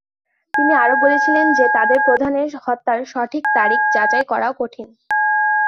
তিনি আরও বলেছিলেন যে তাদের প্রধানের হত্যার সঠিক তারিখ যাচাই করা কঠিন।